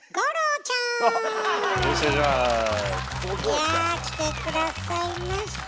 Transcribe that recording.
いや来て下さいました。